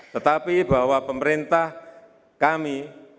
tetapi bahwa pemerintah kami